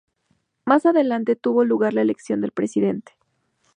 Más adelante tuvo lugar la elección del presidente.